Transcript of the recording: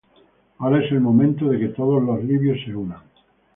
Ahora es el momento de que todos los libios se unan.